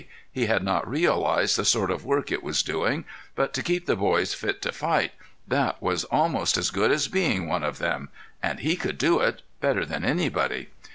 He had not realized the sort of work it was doing. But to keep the boys fit to fight! That was almost as good as being one of them. And he could do it—better than anybody.